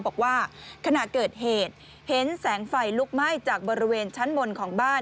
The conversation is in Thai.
บอกว่าขณะเกิดเหตุเห็นแสงไฟลุกไหม้จากบริเวณชั้นบนของบ้าน